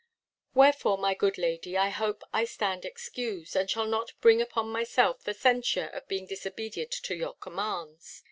Wherefore my good lady, I hope I stand excused, and shall not bring upon myself the censure of being disobedient to your commands.